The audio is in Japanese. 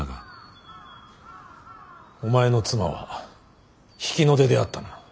お前の妻は比企の出であったな。